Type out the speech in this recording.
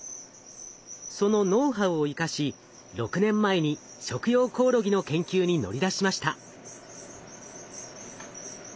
そのノウハウを生かし６年前に食用コオロギの研究に乗り出しました。